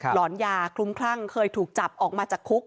หอนยาคลุ้มคลั่งเคยถูกจับออกมาจากคุก